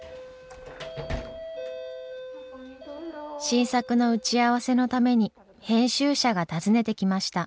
新作の打ち合わせのために編集者が訪ねてきました。